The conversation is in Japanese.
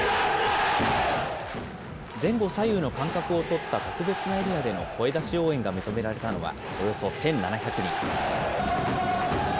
前後左右の間隔を取った特別なエリアでの声出し応援が認められたのは、およそ１７００人。